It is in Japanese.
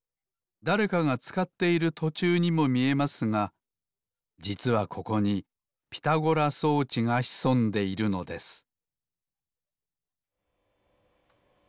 だれかがつかっているとちゅうにもみえますがじつはここにピタゴラ装置がひそんでいるのです